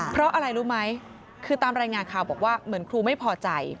เพราะอะไรรู้ไหมคือตามรายงานข่าวบอกว่าเหมือนครูไม่พอใจ